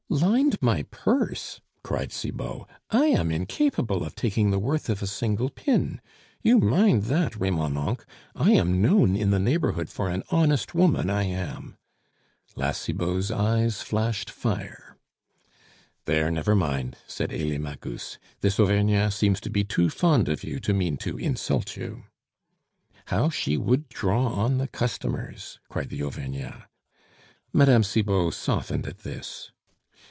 "Lined my purse!" cried Cibot. "I am incapable of taking the worth of a single pin; you mind that, Remonencq! I am known in the neighborhood for an honest woman, I am." La Cibot's eyes flashed fire. "There, never mind," said Elie Magus; "this Auvergnat seems to be too fond of you to mean to insult you." "How she would draw on the customers!" cried the Auvergnat. Mme. Cibot softened at this.